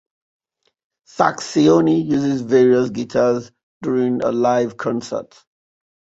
Sacksioni uses various guitars during a live concert.